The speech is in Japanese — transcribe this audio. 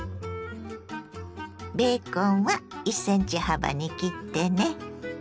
ベーコンは１ｃｍ幅に切ってね。